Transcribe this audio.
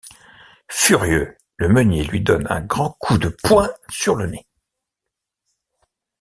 Furieux, le meunier lui donne un grand coup de poing sur le nez.